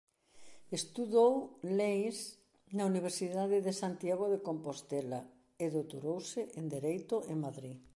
Estudou Leis na Universidade de Santiago de Compostela e doutorouse en Dereito en Madrid.